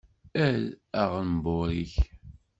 Err aɣenbur-ik.